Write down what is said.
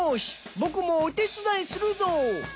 僕もお手伝いするぞ！